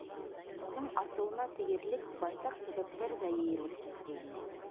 Уның асыуына тейерлек байтаҡ сәбәптәр ҙә йыйылып киткәйне.